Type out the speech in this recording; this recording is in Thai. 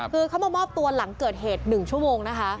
คือเขามามอบตัวหลังเกิดเหตุ๑ชั่วโมงนะคะ